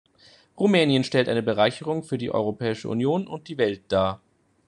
Rumänien stellt eine Bereicherung für die Europäische Union und die Welt dar.